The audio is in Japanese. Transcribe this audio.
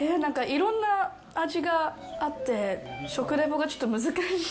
いろんな味があって食レポがちょっと難しい。